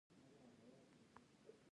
افغانان د خپلو میوو قدر کوي.